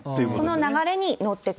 この流れに乗ってくる。